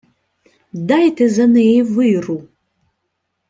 — Дайте за неї виру...